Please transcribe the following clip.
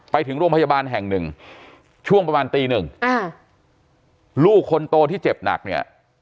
ไปถึงโรงพยาบาลแห่งหนึ่งช่วงประมาณตีหนึ่งอ่าลูกคนโตที่เจ็บหนักเนี่ย